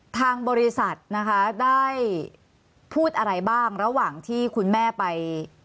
ทางบริษัทนะคะได้พูดอะไรบ้างระหว่างที่คุณแม่ไป